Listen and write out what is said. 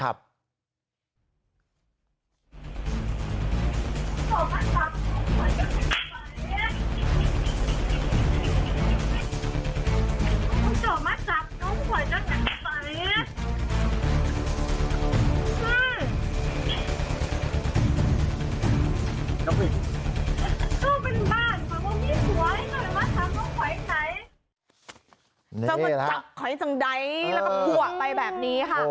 จับมับเขาให้นี่ก็พวกมันจับแล้วก็พวกไปแบบนี้ค่ะ